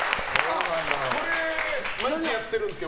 これ、毎日やってるんですよ